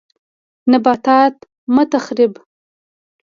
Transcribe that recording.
نباتات مه تخریب